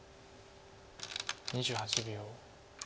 ２８秒。